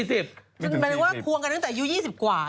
หมายถึงว่าควงกันตั้งแต่อายุ๒๐กว่า